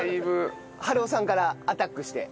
治夫さんからアタックして？